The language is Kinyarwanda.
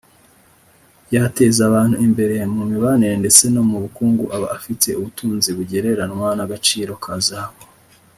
yateza abantu imbere mu mibanire ndetse no mu bukungu aba afite ubutunzi butagereranwa n’agaciro ka zahabu